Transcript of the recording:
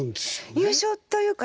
優勝というか